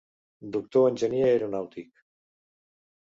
Doctor enginyer aeronàutic.